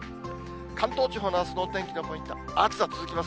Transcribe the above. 関東地方のあすのお天気のポイントは暑さ続きます。